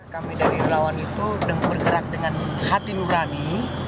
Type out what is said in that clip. kami dari relawan itu bergerak dengan hati nurani